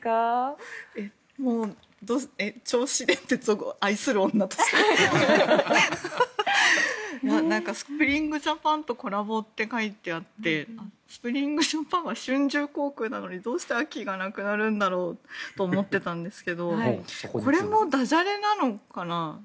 銚子電鉄を愛する女としてなんかスプリング・ジャパンとコラボって書いてあってスプリング・ジャパンは春秋航空なのにどうして秋がなくなるんだろうと思っていたんですけどこれもダジャレなのかな？